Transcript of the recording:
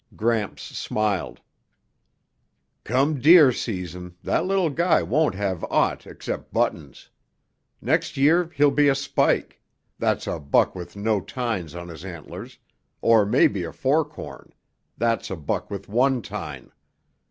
Gramps smiled. "Come deer season, that little guy won't have aught except buttons. Next year he'll be a spike that's a buck with no tines on his antlers or maybe a forkhorn that's a buck with one tine.